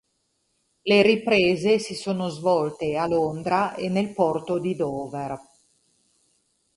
Le riprese si sono svolte a Londra e nel porto di Dover.